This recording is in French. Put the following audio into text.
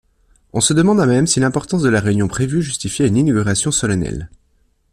On se demanda même si l'importance de la réunion prévue justifiait une inauguration solennelle.